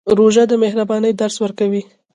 روژه د مهربانۍ درس ورکوي.